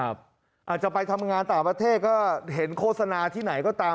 อาจจะไปทำงานต่างประเทศก็เห็นโฆษณาที่ไหนก็ตาม